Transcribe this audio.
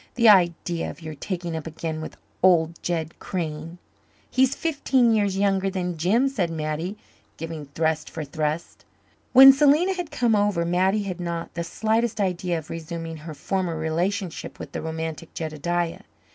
The idea of your taking up again with old Jed Crane!" "He's fifteen years younger than Jim," said Mattie, giving thrust for thrust. When Selena had come over Mattie had not the slightest idea of resuming her former relationship with the romantic Jedediah.